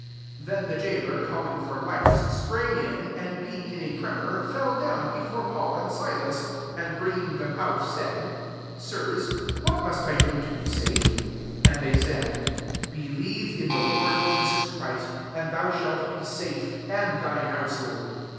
29 Then the gaoler calling for lights, sprang in, and being in a tre mor, fell down before Paul and Silas; SO and bringing tliem out, said, " Sirs, what must I do to be safe ?"♦ 31 And they said, " Believe in the Lord 'Je sus Christ, and thou shalt be safe, and thine household."